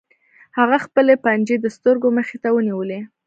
هغه خپلې پنجې د سترګو مخې ته ونیولې